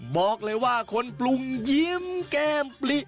บอกเลยว่าคนปรุงยิ้มแก้มปลิ